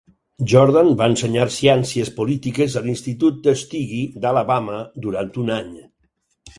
Jordan va ensenyar ciències polítiques a l'Institut Tuskegee d'Alabama durant un any.